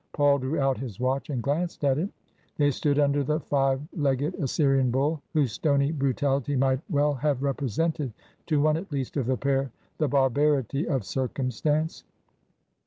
Paul drew out his watch and glanced at it. They stood under the five legged Assyrian Bull, whose stony brutality might well have represented to one at least of the pair the bar barity of circumstance.